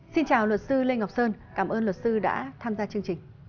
xin chào luật sư lê ngọc sơn cảm ơn luật sư đã tham gia chương trình